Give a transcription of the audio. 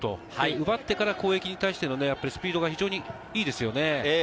奪ってから攻撃に対してのスピードが非常にいいですね。